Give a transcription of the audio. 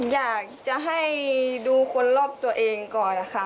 อยากจะให้ดูคนรอบตัวเองก่อนค่ะ